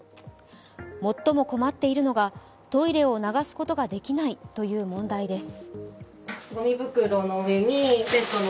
最も困っているのがトイレを流すことができないという問題です。